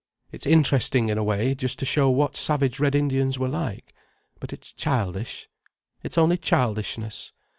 It's interesting in a way, just to show what savage Red Indians were like. But it's childish. It's only childishness.